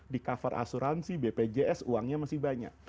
di cover asuransi bpjs uangnya masih banyak